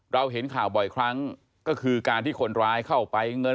เห็นข่าวบ่อยครั้งก็คือการที่คนร้ายเข้าไปเงิน